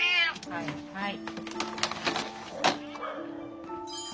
はいはい。